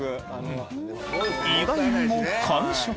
意外にも完食。